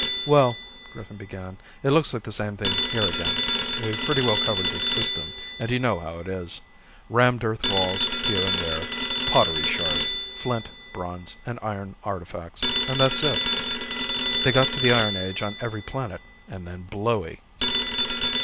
"Well," Griffin began, "it looks like the same thing here again. We've pretty well covered this system and you know how it is. Rammed earth walls here and there, pottery shards, flint, bronze and iron artifacts and that's it. They got to the iron age on every planet and then blooey."